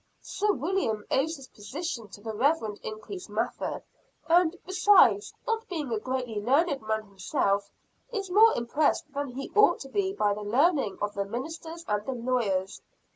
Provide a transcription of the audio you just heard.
Sir William owes his position to the Reverend Increase Mather and, besides, not being a greatly learned man himself, is more impressed than he ought to be by the learning of the ministers and the lawyers.